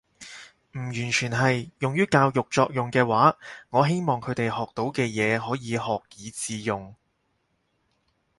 唔完全係。用於教育作用嘅話，我希望佢哋學到嘅嘢可以學以致用